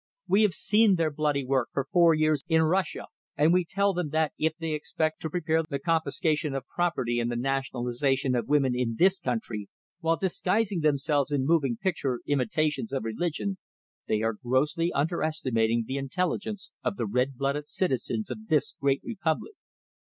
We have seen their bloody work for four years in Russia, and we tell them that if they expect to prepare the confiscation of property and the nationalization of women in this country while disguising themselves in moving picture imitations of religion, they are grossly underestimating the intelligence of the red blooded citizens of this great republic.